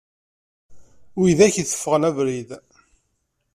Widak i teffɣen abrid.